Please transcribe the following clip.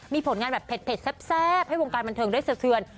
มีผลงานแบบเผ็ดแซ่บให้วงการบันเทิงได้สะเทือน